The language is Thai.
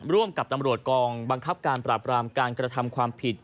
ร่วมกับตำรวจกองบังคับการปราบรามการกระทำความผิด